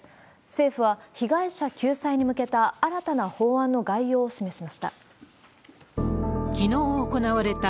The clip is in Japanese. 政府は被害者救済に向けた新たな法案の概要を示しました。